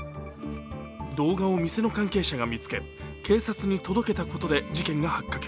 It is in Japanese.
動画を店の関係者が見つけ、警察に届けたことで事件が発覚。